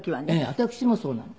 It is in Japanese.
私もそうなの。